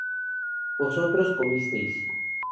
vosotros comisteis